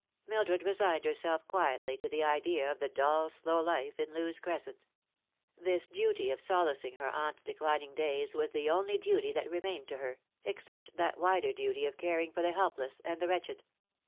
Mildred resigned herself quietly to the idea of the dull slow life in Lewes Cresent. This duty of solacing her aunt's declining days was the only duty that remained to her, except that wider duty of caring for the helpless and the wretched.